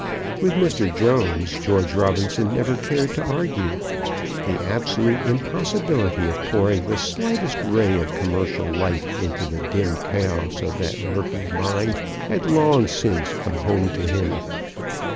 With Mr. Jones, George Robinson never cared to argue. The absolute impossibility of pouring the slightest ray of commercial light into the dim chaos of that murky mind had long since come home to him.